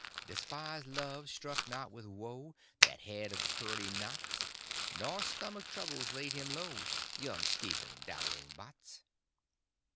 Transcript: Despised love struck not with woe That head of curly knots, Nor stomach troubles laid him low, Young Stephen Dowling Bots.